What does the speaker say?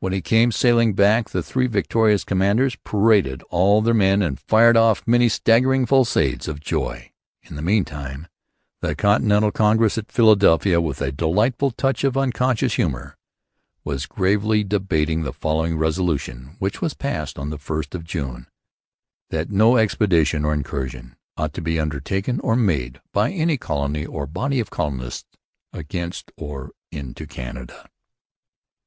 When he came sailing back the three victorious commanders paraded all their men and fired off many straggling fusillades of joy. In the meantime the Continental Congress at Philadelphia, with a delightful touch of unconscious humour, was gravely debating the following resolution, which was passed on the 1st of June: _That no Expedition or Incursion ought to be undertaken or made, by any Colony or body of Colonists, against or into Canada_.